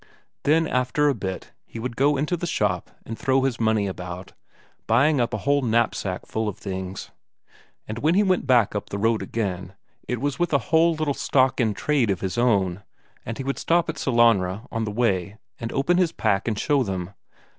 Then after a bit he would go into the shop and throw his money about, buying up a whole knapsack full of things. And when he went back up the road again, it was with a whole little stock in trade of his own and he would stop at Sellanraa on the way and open his pack and show them.